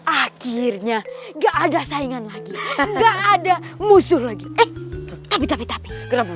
akhirnya enggak ada saingan lagi enggak ada musuh lagi eh tapi tapi tapi geramu